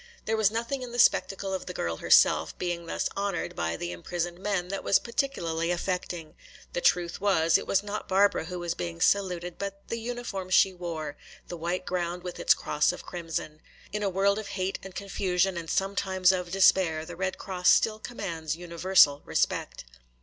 There was nothing in the spectacle of the girl herself being thus honored by the imprisoned men that was particularly affecting. The truth was it was not Barbara who was being saluted, but the uniform she wore, the white ground with its cross of crimson. In a world of hate and confusion and sometimes of despair the Red Cross still commands universal respect.